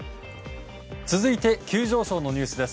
続いて急上昇のニュースです。